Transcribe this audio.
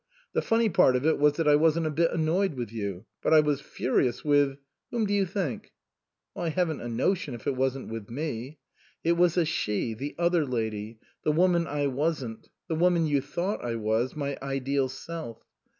The funny part of it was that I wasn't a bit annoyed with you, but I was furious with whom do you think ?"" I haven't a notion if it wasn't with me." " It was a she the other lady, the woman I wasn't, the woman you thought I was, my ideal self.